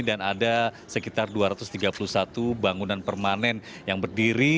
dan ada sekitar dua ratus tiga puluh satu bangunan permanen yang berdiri